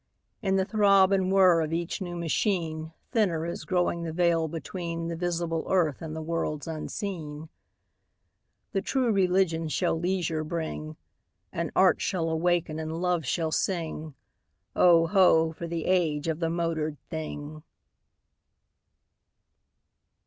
In the throb and whir of each new machine Thinner is growing the veil between The visible earth and the worlds unseen. The True Religion shall leisure bring; And Art shall awaken and Love shall sing: Oh, ho! for the age of the motored thing!